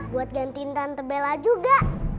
buat gantiin tante bella juga